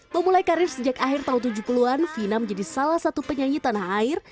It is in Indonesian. memulai karir sejak akhir tahun tujuh puluh an vina menjadi salah satu penyanyi tanah air